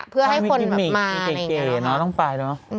เพื่อให้คนมาอะไรอย่างนี้นะคะต้องไปเนอะ